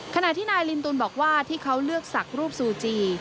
ขณะที่นายลินตุลบอกว่าที่เขาเลือกศักดิ์รูปซูจี